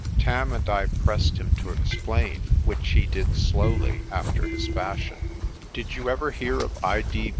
Tarn and I pressed him to explain, which he did slowly after his fashion. "Did you ever hear of I.